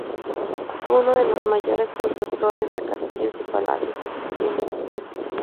Fue uno de los mayores constructores de castillos y palacios de su tiempo.